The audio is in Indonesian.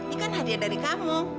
ini kan hadiah dari kamu